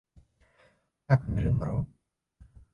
早く寝るんだろ？